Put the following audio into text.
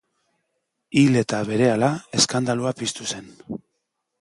Hil eta berehala eskandalua piztu zen.